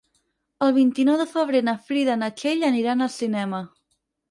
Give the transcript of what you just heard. El vint-i-nou de febrer na Frida i na Txell aniran al cinema.